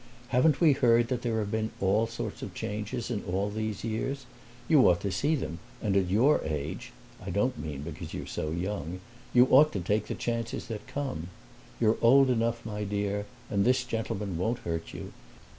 "Haven't we heard that there have been all sorts of changes in all these years? You ought to see them and at your age (I don't mean because you're so young) you ought to take the chances that come. You're old enough, my dear, and this gentleman won't hurt you.